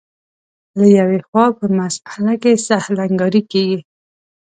له یوې خوا په مسأله کې سهل انګاري کېږي.